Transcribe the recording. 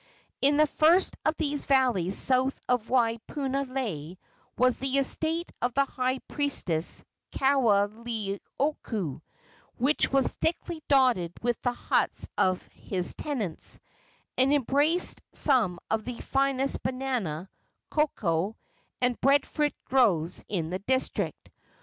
In the first of these valleys south of Waipunalei was the estate of the high priest Kaoleioku, which was thickly dotted with the huts of his tenants, and embraced some of the finest banana, cocoa and breadfruit groves in the district.